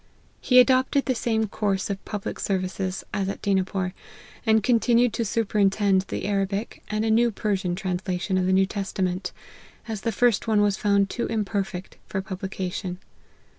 He adopted the same course of public services as a* Dinapore, and continued to superintend the Arabic and a new Persian translation of the New Testa ment, as the first one was found too imperfect for publication.